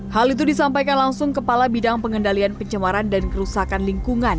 hal itu disampaikan langsung kepala bidang pengendalian pencemaran dan kerusakan lingkungan